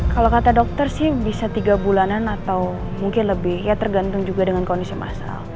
kalau kata dokter sih bisa tiga bulanan atau mungkin lebih ya tergantung juga dengan kondisi massal